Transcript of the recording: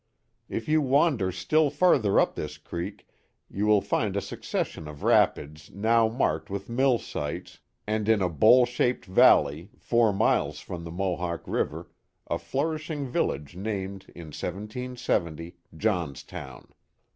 If you wander still farther up this creek you will find a succession of rapids now marked with mill* sites, and in a bowl shaped val ley, four miles from the Mohawk River, a flourishing village named, in 1770, Johnstown.